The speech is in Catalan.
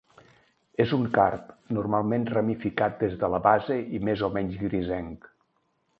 És un card normalment ramificat des de la base i més o menys grisenc.